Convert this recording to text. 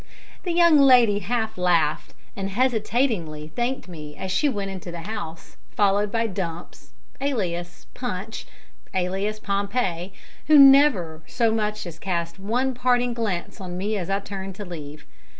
The young lady half laughed, and hesitatingly thanked me as she went into the house, followed by Dumps, alias Punch, alias Pompey, who never so much as cast one parting glance on me as I turned to leave.